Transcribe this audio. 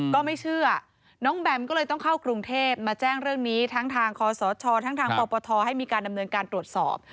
ก็ไม่เชื่อน้องแบมก็เลยต้องเข้ากรุงเทพมาแจ้งเรื่องนี้ทั้งทางคศทั้งทางปปทให้มีการดำเนินการตรวจสอบ